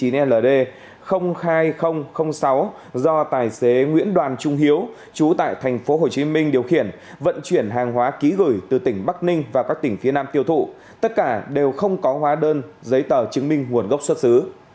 chín ld hai nghìn sáu do tài xế nguyễn đoàn trung hiếu chú tại tp hcm điều khiển vận chuyển hàng hóa ký gửi từ tỉnh bắc ninh vào các tỉnh phía nam tiêu thụ tất cả đều không có hóa đơn giấy tờ chứng minh nguồn gốc xuất xứ